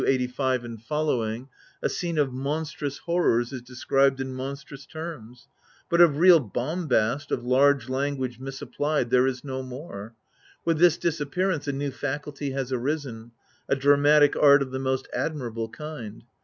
285 sqq,^ a scene of monstrous horrors is described in monstrous terms ; but of real bombast, of large language misapplied, there is no more. With this disappearance, a new faculty has arisen : a dramatic art of the most admirable kind.